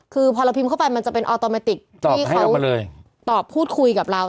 คือพอเราพิมพ์เข้าไปมันจะเป็นออโตเมติกที่เขาตอบพูดคุยกับเรา